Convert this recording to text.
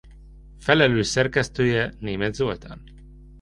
Felelős szerkesztője Németh Zoltán.